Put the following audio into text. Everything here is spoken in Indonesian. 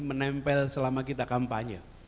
menempel selama kita kampanye